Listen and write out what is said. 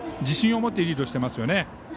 自信を持ってリードしていますよね。